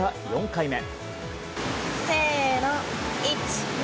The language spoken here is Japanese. ４回目。